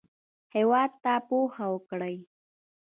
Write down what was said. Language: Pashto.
هېواد ته پوهه ورکړئ